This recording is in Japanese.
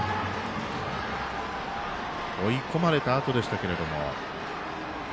追い込まれたあとでしたけれども。